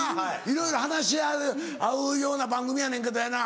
いろいろ話し合うような番組やねんけどやな。